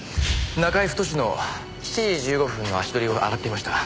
中居太の７時１５分の足取りを洗っていました。